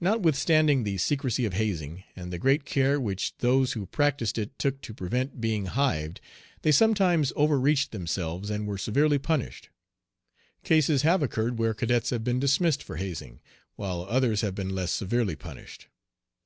Notwithstanding the secrecy of hazing, and the great care which those who practised it took to prevent being "hived," they sometimes overreached themselves and were severely punished. Cases have occurred where cadets have been dismissed for hazing, while others have been less severely punished.